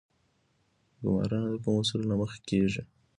ګمارنه د کومو اصولو له مخې کیږي؟